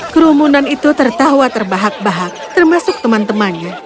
kerumunan itu tertawa terbahak bahak termasuk teman temannya